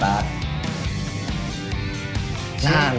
ไปไปนั่นแหละ